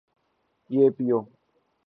یہ پیو